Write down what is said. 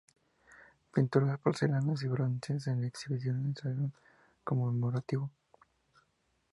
Pinturas, porcelanas y bronces en exhibición en el Salón conmemorativo.